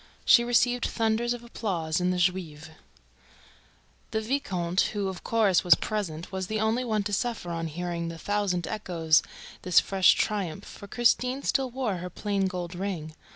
She received thunders of applause in the Juive. The viscount, who, of course, was present, was the only one to suffer on hearing the thousand echoes of this fresh triumph; for Christine still wore her plain gold ring.